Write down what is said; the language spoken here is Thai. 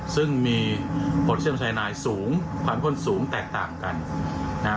ซึ่งมีผลเชื่อมชายนายสูงความข้นสูงแตกต่างกันนะครับ